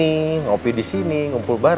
iya betul pak